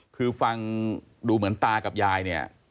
คือฟังดูเหมือนตากับยายเนี่ย